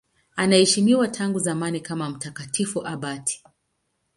Anaheshimiwa tangu zamani kama mtakatifu abati.